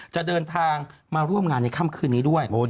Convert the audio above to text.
จะเดินทางมาร่วมงานในค่ำคืนนี้ด้วย